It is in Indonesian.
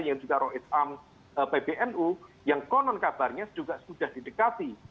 yang juga rohid am pbnu yang konon kabarnya juga sudah didekati